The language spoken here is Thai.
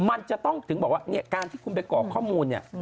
มันจะต้องถึงบอกว่าการที่คุณไปก่อข้อมูล